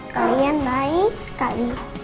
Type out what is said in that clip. kalian baik sekali